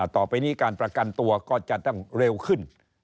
ต่อไปนี้การประกันตัวก็จะต้องเร็วขึ้น